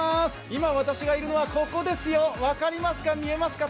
今私がいるのはここですよ、分かりますか、見えますか。